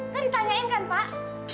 kan ditanyain kan pak